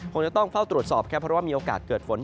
คงจะต้องเฝ้าตรวจสอบครับเพราะว่ามีโอกาสเกิดฝน